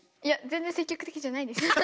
いや全然積極的じゃないです。